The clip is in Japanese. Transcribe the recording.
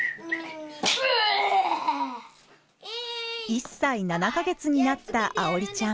１歳７か月になった愛織ちゃん。